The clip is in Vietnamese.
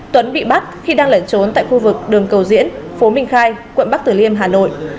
tuấn bị bắt khi đang lẩn trốn tại khu vực đường cầu diễn phố minh khai quận bắc tử liêm hà nội